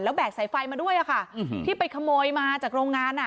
แบกสายไฟมาด้วยอะค่ะที่ไปขโมยมาจากโรงงานอ่ะ